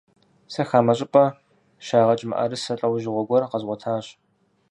Сэ хамэ щӀыпӀэ щагъэкӀ мыӀэрысэ лӀэужьыгъуэ гуэр къэзгъуэтащ.